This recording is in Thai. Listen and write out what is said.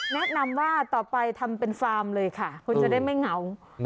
แนะนำว่าต่อไปทำเป็นฟาร์มเลยค่ะคุณจะได้ไม่เหงา